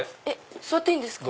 座っていいんですか。